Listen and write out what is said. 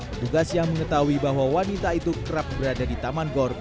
petugas yang mengetahui bahwa wanita itu kerap berada di taman gor